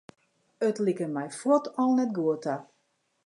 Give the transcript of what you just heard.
It like my fuort al net goed ta.